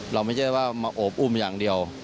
ไม่ใช่ว่ามาโอบอุ้มอย่างเดียว